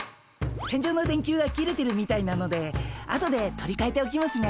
天井の電球が切れてるみたいなので後で取りかえておきますね。